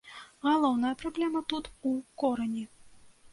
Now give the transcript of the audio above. Галоўная праблема тут у корані.